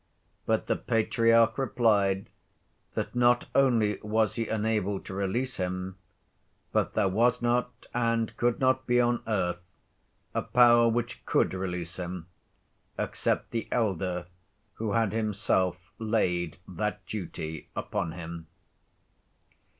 But the Patriarch replied that not only was he unable to release him, but there was not and could not be on earth a power which could release him except the elder who had himself laid that duty upon him.